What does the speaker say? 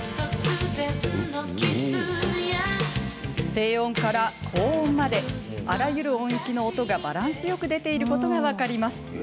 低音から高音まであらゆる音域の音がバランスよく出ていることが分かります。